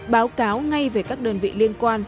báo cáo ngay về các đơn vị liên quan